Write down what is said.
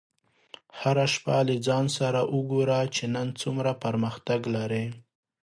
هره شپه له ځان سره وګوره چې نن څومره پرمختګ لرې.